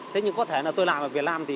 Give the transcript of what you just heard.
thế nhưng có thể là tôi làm